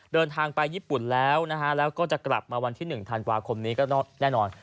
เดินทางไปญี่ปุ่นแล้วนะฮะแล้วก็จะกลับมาวันที่๑ธันวาคมนี้ก็แน่นอน